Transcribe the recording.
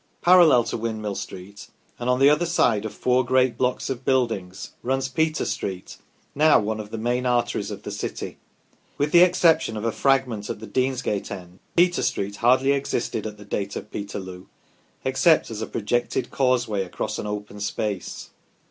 Parallel to Windmill Street, and on the other side of four great blocks of buildings, runs Peter Street, now one of the main arteries of the city. With the exception of a fragment at the Deansgate end, Peter Street hardly existed at the date of Peterloo, except as a projected causeway across an open space.